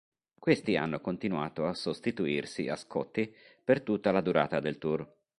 Questi hanno continuato a sostituirsi a "Scotty" per tutta la durata del tour.